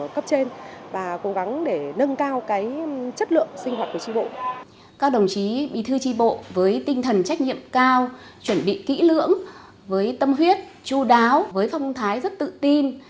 các đồng chí bí thư tri bộ với tinh thần trách nhiệm cao chuẩn bị kỹ lưỡng với tâm huyết chú đáo với phong thái rất tự tin